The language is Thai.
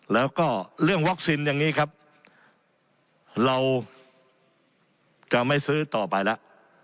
แล้วก็เรื่องวัคซีนอย่างนี้ครับเราจะไม่ซื้อต่อไปแล้ว